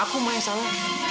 aku ma yang salah